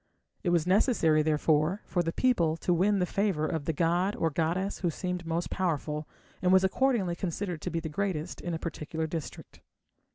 It was necessary, therefore, for the people to win the favour of the god or goddess who seemed most powerful, and was accordingly considered to be the greatest in a particular district.